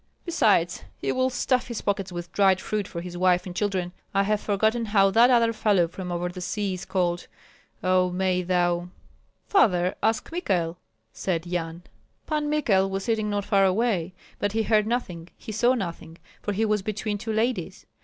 Besides, he will stuff his pockets with dried fruit for his wife and children. I have forgotten how that other fellow from over the sea is called. Oh, may thou " "Father, ask Michael," said Yan. Pan Michael was sitting not far away; but he heard nothing, he saw nothing, for he was between two ladies.